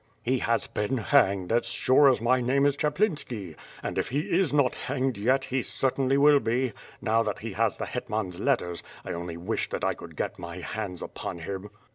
"He has been hanged, as sure as my name is Chaplinski! And if he is not hanged yet, he certainly will be. Now that he has the Hetman's letters, I only wish that I could get my hands upon him."